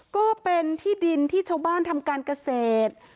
ก็เป็นที่ดินที่ชาวบ้านทำการเกษตร